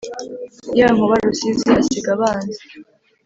ya nkuba rusizi asiga abanzi